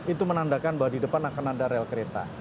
itu menandakan bahwa di depan akan ada rel kereta